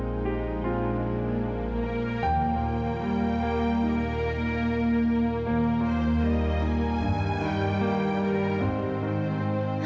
sebabnya pisangnya kurang behind